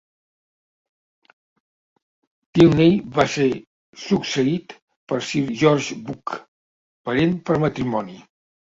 Tylney va ser succeït per Sir George Buck, parent per matrimoni.